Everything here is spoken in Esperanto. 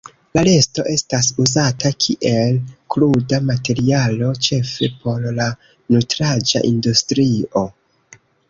La resto estas uzata kiel kruda materialo, ĉefe por la nutraĵa industrio.